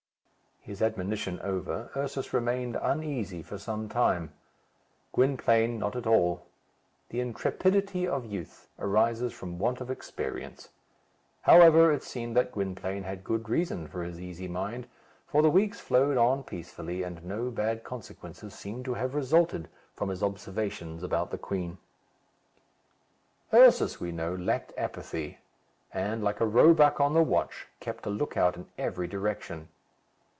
His admonition over, Ursus remained uneasy for some time. Gwynplaine not at all. The intrepidity of youth arises from want of experience. However, it seemed that Gwynplaine had good reason for his easy mind, for the weeks flowed on peacefully, and no bad consequences seemed to have resulted from his observations about the queen. Ursus, we know, lacked apathy, and, like a roebuck on the watch, kept a lookout in every direction.